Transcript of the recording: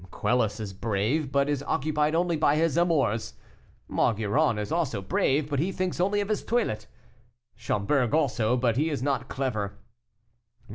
Quelus is brave, but is occupied only by his amours. Maugiron is also brave, but he thinks only of his toilette. Schomberg also, but he is not clever.